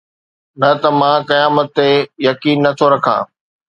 نه ته مان قيامت تي يقين نه ٿو رکان